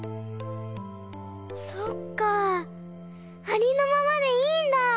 ありのままでいいんだ！